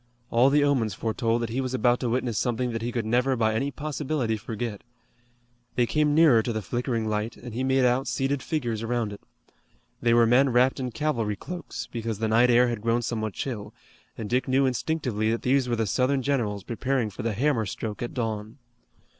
All the omens foretold that he was about to witness something that he could never by any possibility forget. They came nearer to the flickering light, and he made out seated figures around it. They were men wrapped in cavalry cloaks, because the night air had now grown somewhat chill, and Dick knew instinctively that these were the Southern generals preparing for the hammer stroke at dawn.